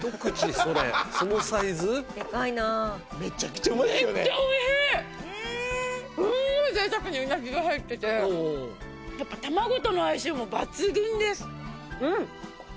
すごい贅沢にうなぎが入っててやっぱ卵との相性も抜群です。